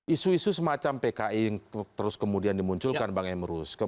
isu isu semacam pki yang terus kemudian dimunculkan bang emrus